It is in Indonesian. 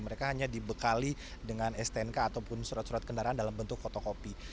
mereka hanya dibekali dengan stnk ataupun surat surat kendaraan dalam bentuk fotokopi